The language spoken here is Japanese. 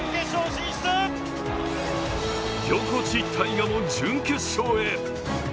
横地大雅も準決勝へ。